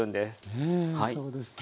ねえそうですね。